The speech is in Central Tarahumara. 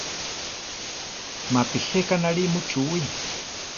Mapi jéka náli muchúwi.